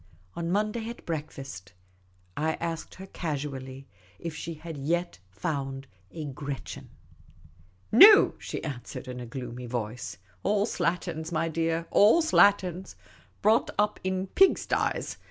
On Monday at breakfast I asked her casually if she had yet found a Gretchen. 54 Miss Cayley's Adventures " No," she answered, in a gloomy voice. " All slatterns, my dear; all slatterns! Brought up in pig sties.